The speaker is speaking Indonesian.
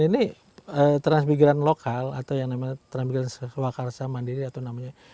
ini transmigran lokal atau yang namanya transmigran suakarsa mandiri atau namanya